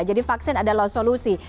jadi vaksin adalah solusi